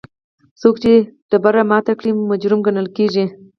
څوک چې تیږه ماته کړي مجرم ګڼل کیږي.